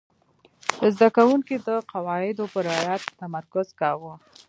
زده کوونکي د قواعدو په رعایت تمرکز کاوه.